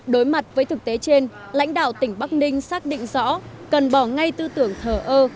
đối mặt với thực tế trên lãnh đạo tỉnh bắc ninh xác định rõ cần bỏ ngay tư tưởng thờ ơ